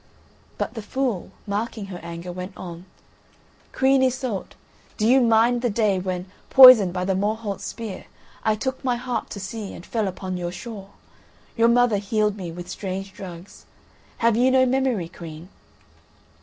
But the fool, marking her anger, went on: "Queen Iseult, do you mind the day, when, poisoned by the Morholt's spear, I took my harp to sea and fell upon your shore? Your mother healed me with strange drugs. Have you no memory, Queen?"